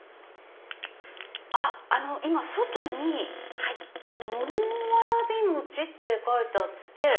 あの今外に桃わらび餅って書いてあって。